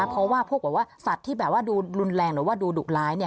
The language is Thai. เพราะว่าพวกแบบว่าสัตว์ที่แบบว่าดูรุนแรงหรือว่าดูดุร้ายเนี่ย